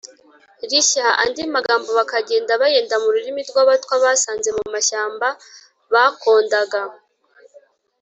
rishya. andi magambo bakagenda bayenda mu ririmi rw’abatwa basanze mu mashyamba bakondaga.